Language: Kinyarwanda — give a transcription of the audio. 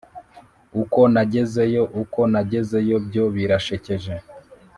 Uko nagezeyo uko nagezeyo byo birashekeje